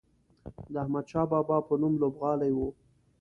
د احمدشاه بابا په نوم لوبغالی و.